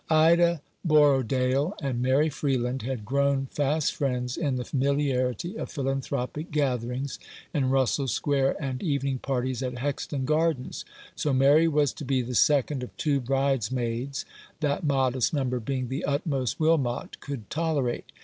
Ida Borrodaile and Mary Freeland had grown fast friends in the familiarity of philanthropic gatherings in Russell Square and evening parties at Hexton Gardens, so Mary was to be the second of two bridesmaids, that modest number being the utmost Wilmot could tolerate.